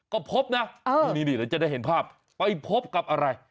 ก็พบนะนี่เดี๋ยวจะได้เห็นภาพไปพบกับอะไร